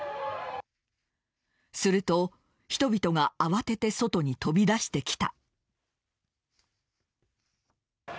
すると、人々が慌てて外に飛び出してきた。